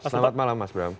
selamat malam mas bram